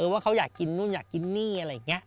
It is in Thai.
ว่าเขาอยากกินนู่นอยากกินนี่อะไรอย่างนี้